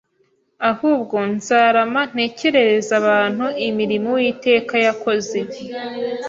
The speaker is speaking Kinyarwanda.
ahubwo nzarama ntekerereze abantu imirimo uwiteka yakoze